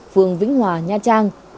phường vĩnh hòa nha trang